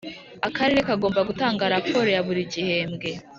Akarere kagomba gutanga raporo ya buri gihembwe